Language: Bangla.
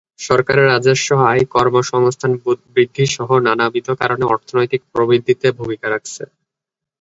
সরকারের রাজস্ব আয়, কর্মসংস্থান বৃদ্ধিসহ নানাবিধ কারণে অর্থনৈতিক প্রবৃদ্ধিতে ভূমিকা রাখছে।